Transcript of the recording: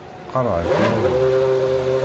Qarɛet iman-nwen.